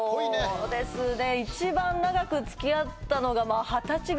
そうですね